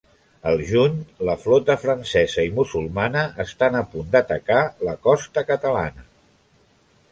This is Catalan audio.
Al juny, la flota francesa i musulmana estan a punt d'atacar la costa catalana.